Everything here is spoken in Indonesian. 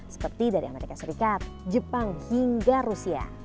seperti dari amerika serikat jepang hingga rusia